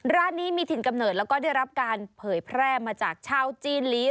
ร้านนี้มีถิ่นกำเนิดแล้วก็ได้รับการเผยแพร่มาจากชาวจีนลี